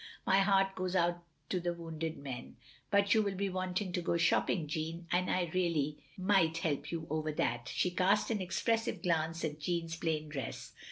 My heart goes out to the wounded men. But you will be wanting to go shopping, Jeanne, and I really might help you over that —" she cast an expressive glance at Jeanne's plain dress.